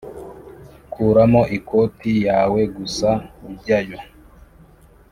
kuramo ikoti yawe gusa ujyayo;